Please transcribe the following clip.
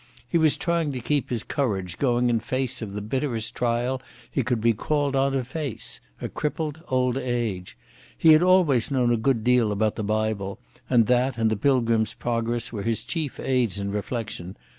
He was trying to keep his courage going in face of the bitterest trial he could be called on to face—a crippled old age. He had always known a good deal about the Bible, and that and the Pilgrim's Progress were his chief aids in reflection.